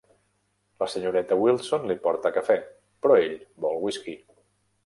La senyoreta Wilson li porta cafè, però ell vol whisky.